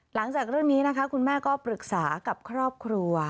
หลังจากเรื่องนี้นะคะคุณแม่ก็ปรึกษากับครอบครัว